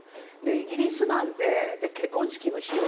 イギリスなんで結婚式の費用